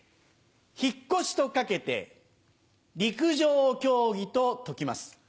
引越しと掛けて陸上競技と解きます。